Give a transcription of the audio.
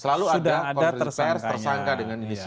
selalu ada konferensi pers tersangka dengan inisial